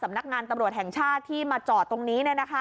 นักงานตำรวจแห่งชาติที่มาจอดตรงนี้